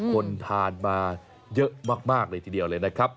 คนทานมาเยอะมากเลยทีเดียวเลยนะครับ